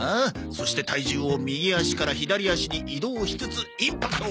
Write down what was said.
そして体重を右足から左足に移動しつつインパクト！